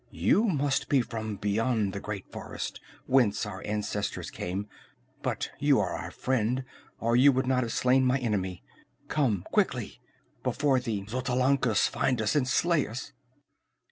You must be from beyond the great forest, whence our ancestors came. But you are our friend, or you would not have slain my enemy. Come quickly, before the Xotalancas find us and slay us!"